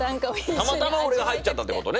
たまたま俺が入っちゃったってことね。